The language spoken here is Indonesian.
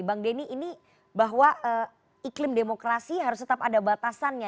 bang denny ini bahwa iklim demokrasi harus tetap ada batasannya